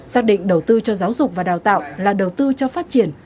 xác định đầu tư cho giáo dục và đào tạo là đầu tư cho phát triển